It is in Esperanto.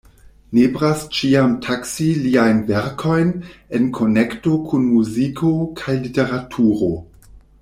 Nepras ĉiam taksi liajn verkojn en konekto kun muziko kaj literaturo.